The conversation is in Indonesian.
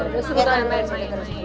lu sering sering main main